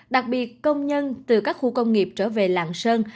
đặc biệt công nhân từ các khu công nghiệp trở về lạng sơn